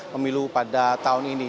memilu pada tahun ini